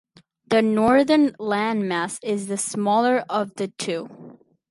The northern landmass is the smaller of the two.